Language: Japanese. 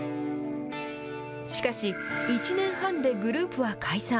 しかし、１年半でグループは解散。